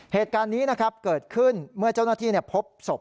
เหตุการณ์นี้นะครับเกิดขึ้นเมื่อเจ้าหน้าที่พบศพ